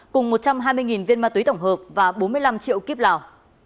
cùng một trăm hai mươi viên ma túy tổng hợp và bốn mươi năm triệu kíp lào